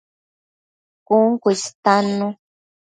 Cun cu istannu